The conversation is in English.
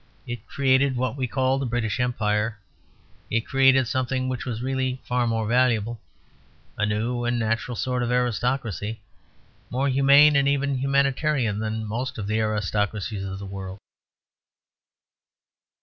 It created what we call the British Empire; it created something which was really far more valuable, a new and natural sort of aristocracy, more humane and even humanitarian than most of the aristocracies of the world.